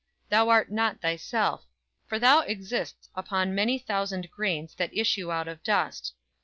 Thou art not thyself; For thou exist'st on many thousand grains That issue out of dust.